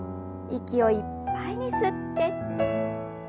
息をいっぱいに吸って。